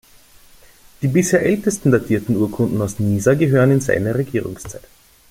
Die bisher ältesten datierten Urkunden aus Nisa gehören in seiner Regierungszeit.